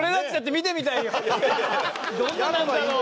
どんななんだろう？